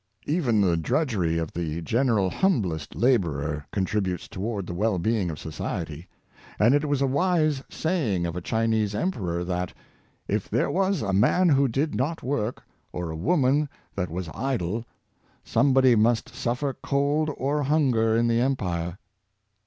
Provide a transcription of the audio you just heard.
Even the drudgery of the general humblest laborer contributes towards the well being of society; and it was a wise saying of a Chinese emperor that, " if there was a man who did not work, or a woman that was idle, somebody must suffer cold or hunger in the empire.